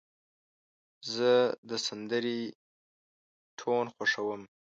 زه د سندرې ټون خوښوم.